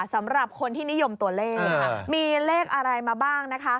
สำหรับคนที่นิยมตัวเลขมีเลขอะไรมาบ้างนะคะ